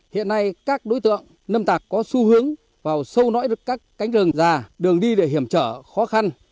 hiện nay các đối tượng lâm tạc có xu hướng vào sâu nói với các cánh rừng già đường đi để hiểm trở khó khăn